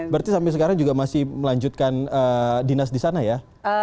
berarti sampai sekarang juga masih melanjutkan dinas di sana ya